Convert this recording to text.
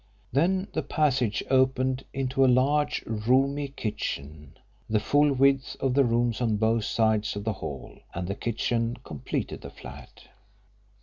Then the passage opened into a large roomy kitchen, the full width of the rooms on both sides of the hall, and the kitchen completed the flat.